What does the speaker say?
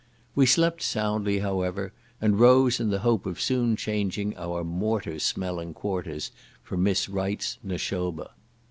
We slept soundly however, and rose in the hope of soon changing our mortar smelling quarters for Miss Wright's Nashoba.